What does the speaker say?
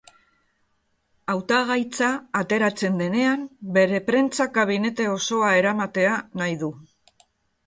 Hautagaitza ateratzen denean bere prentsa kabinete osoa eramatea nahi du.